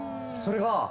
それが。